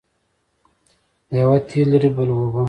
یوه تېل لري بل اوبه.